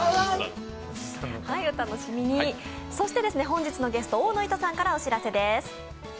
本日のゲスト・大野いとさんからお知らせです。